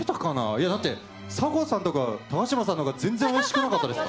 いやだって、迫田さんとか、高嶋さんのほうが全然怪しくなかったですか？